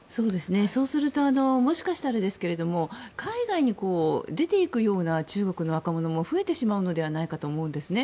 そうすると、もしかしたら海外に出て行くような中国の若者も増えてしまうのではないかと思うんですね。